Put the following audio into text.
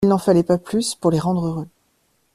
Il n’en fallait pas plus pour les rendre heureux.